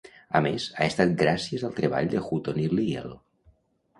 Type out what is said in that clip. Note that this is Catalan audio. A més, ha estat gràcies al treball de Hutton i Lyell?